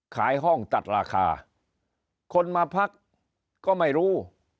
ขายห้องตัดราคาคนมาพักก็ไม่รู้